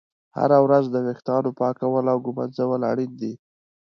هره ورځ د ویښتانو پاکول او ږمنځول اړین دي.